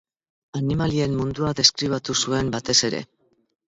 Animalien mundua deskribatu zuen, batez ere.